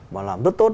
mà làm rất tốt